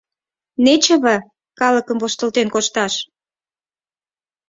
— Нечыве калыкым воштылтен кошташ!